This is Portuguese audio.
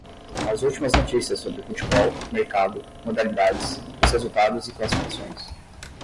As últimas notícias sobre Futebol, mercado, modalidades, os resultados e classificações.